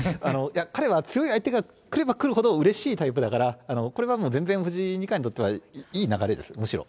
彼は強い相手が来れば来るほどうれしいタイプだから、これはもう全然藤井二冠にとってはいい流れです、むしろ。